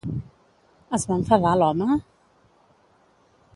Es va enfadar, l'home?